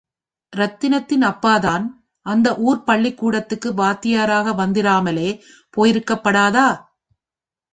ரத்தினத்தின் அப்பாதான் அந்த ஊர்ப் பள்ளிக்கூடத்துக்கு வாத்தியாராக வந்திராமலே போயிருக்கப்படாதா?